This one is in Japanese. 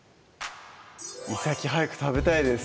いさき早く食べたいです